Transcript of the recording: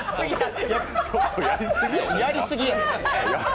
やりすぎや。